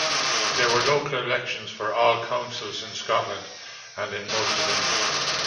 There were local elections for all councils in Scotland and in most of England.